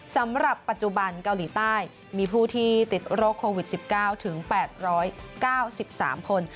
สำหรับปัจจุบันเกาหลีใต้มีผู้ที่ติดโรคโควิด๑๙ถึง๘๙๓คน